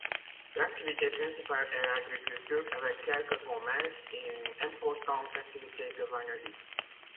L'activité principale est l'agriculture, avec quelques commerces, et une importante activité de vannerie.